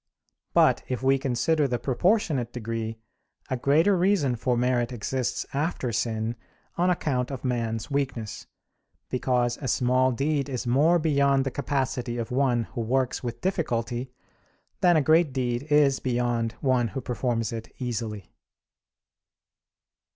But if we consider the proportionate degree, a greater reason for merit exists after sin, on account of man's weakness; because a small deed is more beyond the capacity of one who works with difficulty than a great deed is beyond one who performs it easily.